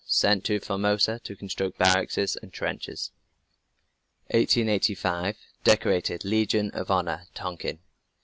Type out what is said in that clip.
Sent to Formosa to construct barracks and trenches. 1885. Decorated, Legion of Honor, Tonkin.